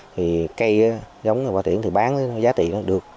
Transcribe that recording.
thì cây giống của hòa tiển thì bán giá tiền